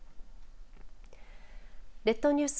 列島ニュース